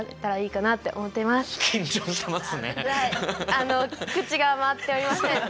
あの口が回っておりませんはい。